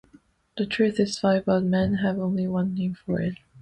The truth is five but men have only one name for it.